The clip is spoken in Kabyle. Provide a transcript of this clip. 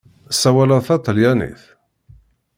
Tessawaleḍ taṭalyanit?